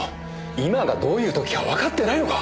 今がどういう時かわかってないのか！